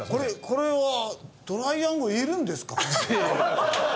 これはトライアングルいるんですか？